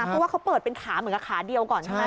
เพราะว่าเขาเปิดเป็นขาเหมือนกับขาเดียวก่อนใช่ไหม